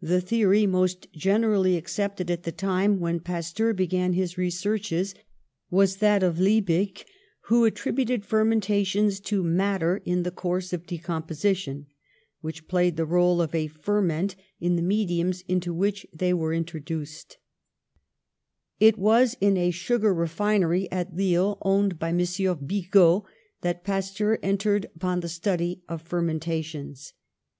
The theory most generally accepted, at the time when Pasteur began his researches, was that of Liebig, who attributed fermentations to matter in the course of decomposition, which played the role of a ferment in the mediums into which they were introduced. ON THE ROAD TO FAME 49 It was in a sugar refinery at Lille, owned by M. Bigo, that Pasteur entered upon the study of fermentations.